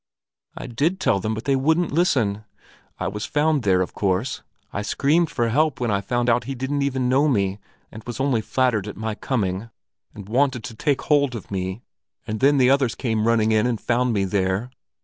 "I did tell them, but they wouldn't listen. I was found there of course. I screamed for help when I found out he didn't even know me, but was only flattered at my coming, and wanted to take hold of me. And then the others came running in and found me there.